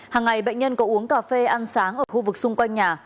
hàng ngày bệnh nhân có uống cà phê ăn sáng ở khu vực xung quanh nhà